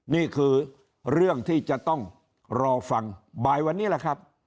นี่คือเรื่องที่จะต้องรอฟังบ่ายวันนี้แหละครับ